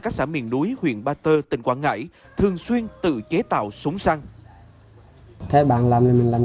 các xã miền núi huyện ba tơ tỉnh quảng ngãi thường xuyên tự chế tạo súng xăng thế bạn làm